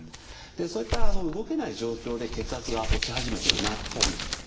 そういった動けない状況で血圧が落ち始めてるなっていうふうに。